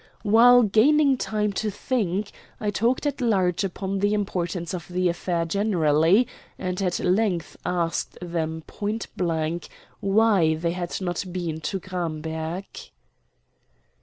While gaining time to think, I talked at large upon the importance of the affair generally, and at length asked them point blank why they had not been to Gramberg.